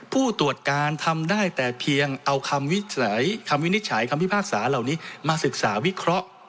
ผู้ตรวจการทำได้แต่เพียงเอาคำวินิจฉัยคำพิพากษาเหล่านี้มาศึกษาวิเคราะห์